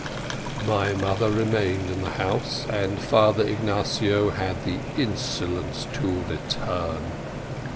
My mother remained in the house, and Father Ignatio had the insolence to return.